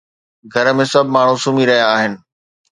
گهر ۾ سڀ ماڻهو سمهي رهيا آهن